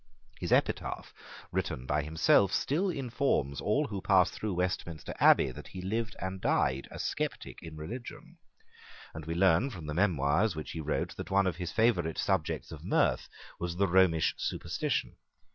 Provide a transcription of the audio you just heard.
His epitaph, written by himself, still informs all who pass through Westminster Abbey that he lived and died a sceptic in religion; and we learn from the memoirs which he wrote that one of his favourite subjects of mirth was the Romish superstition.